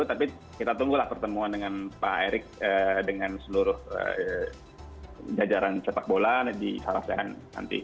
tapi kita tunggulah pertemuan dengan pak erik dengan seluruh jajaran sepak bola di sarasen nanti